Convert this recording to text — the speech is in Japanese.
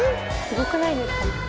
すごくないですか？